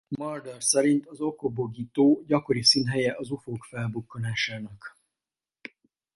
Mulder szerint az Okobogee-tó gyakori színhelye az ufók felbukkanásának.